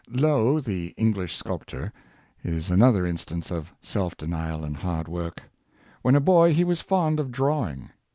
Lough, the English sculptor, is another instance of self denial and hard work. When a boy, he was fond of drawing.